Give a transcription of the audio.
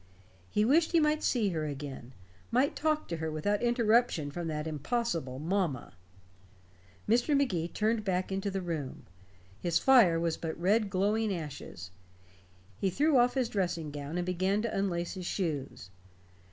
He wished he might see her again; might talk to her without interruption from that impossible "mamma." Mr. Magee turned back into the room. His fire was but red glowing ashes. He threw off his dressing gown, and began to unlace his shoes.